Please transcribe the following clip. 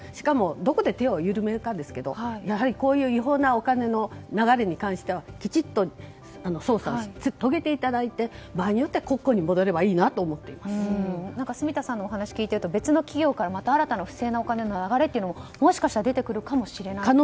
どこで手を緩めるかですがやはりこういう違法なお金の流れに関してはきちんと捜査を遂げていただいて場合によっては国庫に戻れば住田さんのお話を聞いていると別の企業からまた新たな不正なお金の流れというのももしかしたら出てくるかもしれませんね。